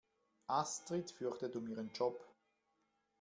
Astrid fürchtet um ihren Job.